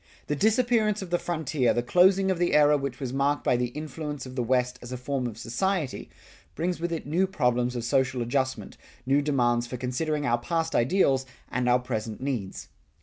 The disappearance of the frontier, the closing of the era which was marked by the influence of the West as a form of society, brings with it new problems of social adjustment, new demands for considering our past ideals and our present needs.